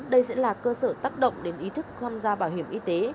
đây sẽ là cơ sở tác động đến ý thức tham gia bảo hiểm y tế